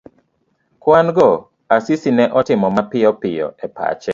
kwan go Asisi ne otimo mapiyo piyo e pache.